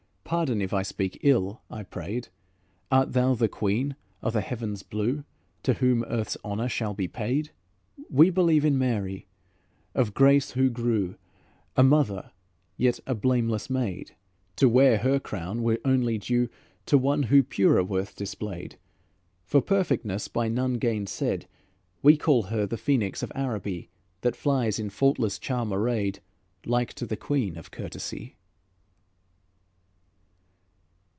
Pardon if I speak ill," I prayed: "Art thou the queen o' the heaven's blue, To whom earth's honour shall be paid? We believe in Mary, of grace who grew, A mother, yet a blameless maid; To wear her crown were only due To one who purer worth displayed. For perfectness by none gainsaid, We call her the Phoenix of Araby, That flies in faultless charm arrayed, Like to the Queen of courtesy."